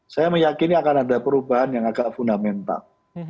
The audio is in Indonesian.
saya meyakini akan ada perubahan yang agak fundamental